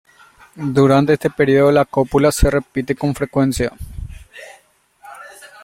Durante este período la cópula se repite con frecuencia.